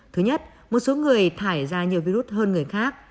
thứ nhất một số người thải ra nhiều virus hơn người khác